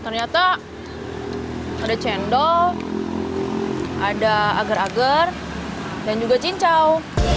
ternyata ada cendol ada agar agar dan juga cincau